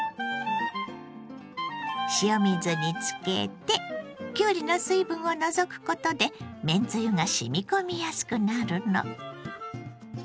塩水につけてきゅうりの水分を除くことでめんつゆがしみ込みやすくなるの。